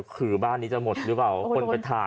ขื่อบ้านนี้จะหมดหรือเปล่า